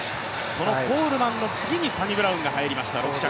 そのコールマンの次にサニブラウンが入りました、６着。